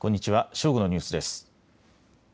正午のニュースです。